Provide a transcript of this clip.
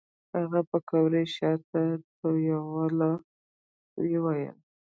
هغه پکول شاته ټېلوهه وويل.